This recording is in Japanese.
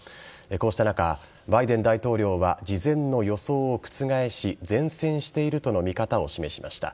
こうした中、バイデン大統領は事前の予想を覆し善戦しているとの見方を示しました。